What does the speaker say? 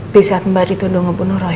di saat mbak ditunduk ngebunuh roy